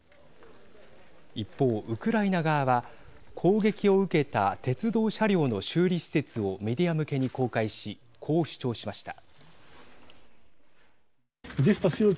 一方、ウクライナ側は攻撃を受けた鉄道車両の修理施設をメディア向けに公開しこう主張しました。